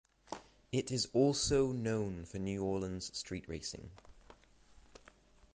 It is also known for New Orleans street racing.